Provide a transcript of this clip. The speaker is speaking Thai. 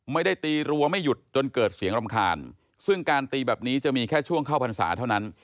ไม่ได้ตีรัวไม่หยุดจนเกิดเสียงรำคาญซึ่งการตีแบบนี้จะมีแค่ช่วงเข้าพรรษาเท่านั้น